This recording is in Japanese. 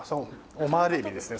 オマール海老ですね